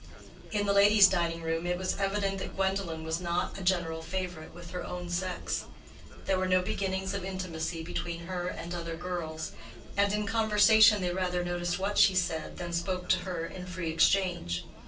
In the ladies' dining room it was evident that Gwendolen was not a general favorite with her own sex: there were no beginnings of intimacy between her and other girls, and in conversation they rather noticed what she said than spoke to her in free exchange.